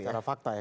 secara fakta ya